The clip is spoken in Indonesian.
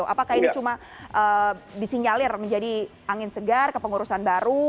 apakah ini cuma disinyalir menjadi angin segar kepengurusan baru